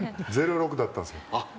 ０ー６だったんですよ。